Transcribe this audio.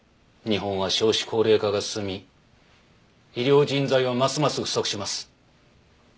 日本は少子高齢化が進み医療人材はますます不足します。